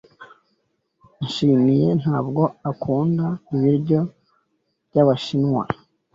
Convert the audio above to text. Nshimiye ntabwo akunda ibiryo byabashinwa.